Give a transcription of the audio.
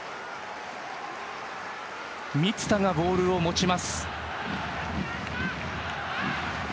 満田がボールを持ちます。